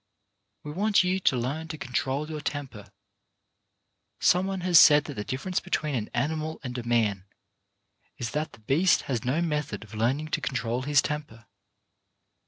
We want you to learn to control your temper. Some one has said that the difference between an animal and a man is that the beast has no method of learning to control his temper.